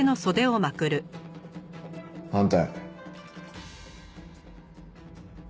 反対。